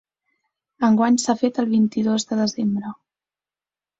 Enguany s’ha fet el vint-i-dos de desembre.